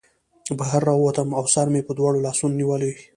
بهر راووتم او سر مې په دواړو لاسونو نیولی و